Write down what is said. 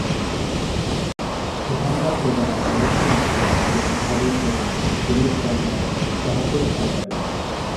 এখানকার প্রজারা সমস্তই মুসলমান এবং ইহাদের প্রধান ফরুসর্দার কাহাকেও ভয় করে না।